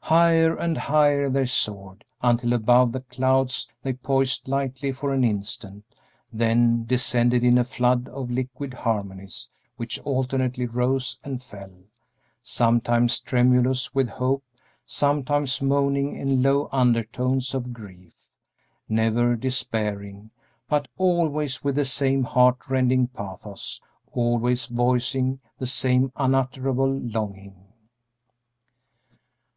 Higher and higher they soared, until above the clouds they poised lightly for an instant, then descended in a flood of liquid harmonies which alternately rose and fell, sometimes tremulous with hope, sometimes moaning in low undertones of grief, never despairing, but always with the same heart rending pathos, always voicing the same unutterable longing.